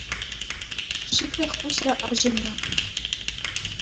Шиклӗх пусрӗ арҫынна.